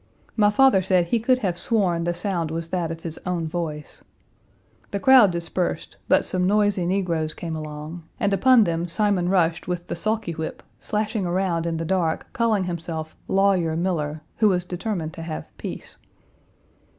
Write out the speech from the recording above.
My father said he could have sworn the sound was that of his own voice. The crowd dispersed, but some noisy negroes came along, and upon them Simon rushed with the sulky whip, slashing around in the dark, calling himself "Lawyer Miller," who was determined to have peace.